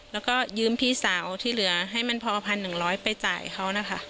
แล้วก็ยืมพี่สาวที่เหลือให้มันพอพันหนึ่งร้อยไปจ่ายเขานะคะ